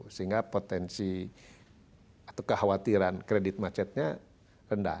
sehingga potensi atau kekhawatiran kredit macetnya rendah